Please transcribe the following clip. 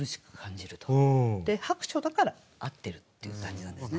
薄暑だから合ってるっていう感じなんですね。